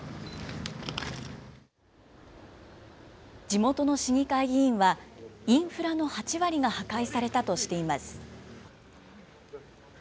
地元の市議会議員は、インフラの８割が破壊されたとしています。